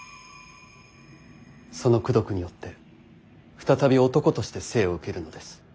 その功徳によって再び男として生を受けるのです。